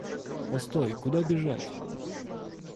Постой, куда бежать?